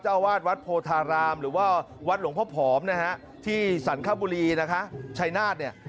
อาวาสวัดโพธารามหรือว่าวัดหลวงพ่อผอมนะฮะที่สรรคบุรีนะคะชายนาฏเนี่ย